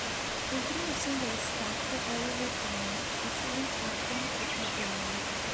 Il primo singolo estratto è "Overtime" featuring Akon e T-Pain.